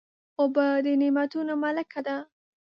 اوبه د نعمتونو ملکه ده.